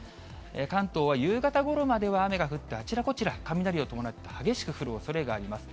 関東は夕方ごろまでは雨が降って、あちらこちら、雷を伴って激しく降るおそれがあります。